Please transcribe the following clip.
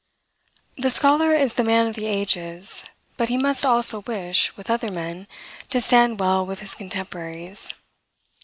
The scholar is the man of the ages, but he must also wish, with other men, to stand well with his contemporaries.